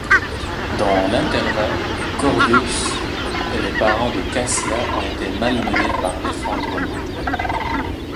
Dans l'intervalle, Corvus et les parents de Cassia ont été malmenés par l'effondrement.